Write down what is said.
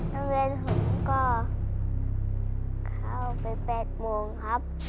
โรงเรียนผมก็เข้าไป๘โมงครับ